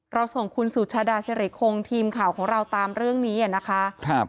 เราส่งคุณสุชาดาสิริคงทีมข่าวของเราตามเรื่องนี้นะคะ